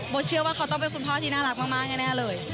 เชื่อว่าเขาต้องเป็นคุณพ่อที่น่ารักมากแน่เลย